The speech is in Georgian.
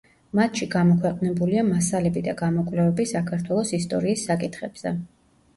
მათში გამოქვეყნებულია მასალები და გამოკვლევები საქართველოს ისტორიის საკითხებზე.